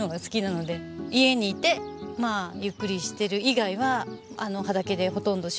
家にいてまあゆっくりしてる以外は畑でほとんど。